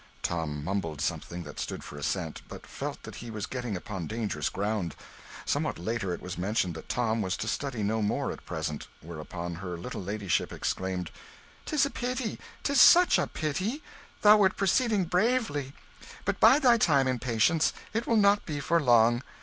Tom mumbled something that stood for assent, but felt that he was getting upon dangerous ground. Somewhat later it was mentioned that Tom was to study no more at present, whereupon her little ladyship exclaimed "'Tis a pity, 'tis a pity! Thou wert proceeding bravely. But bide thy time in patience: it will not be for long.